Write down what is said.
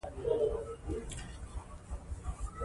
د ژمي د موسم له را رسېدو او د بارانونو